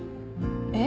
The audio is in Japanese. えっ？